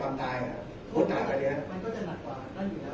อันหลังเป็นตัวตั้งดูไหมครับ